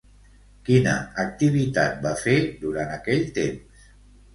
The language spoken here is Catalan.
Quina activitat va fer durant aquell temps?